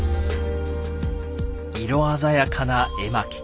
色鮮やかな絵巻。